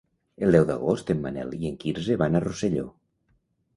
El deu d'agost en Manel i en Quirze van a Rosselló.